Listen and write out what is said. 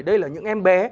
đây là những em bé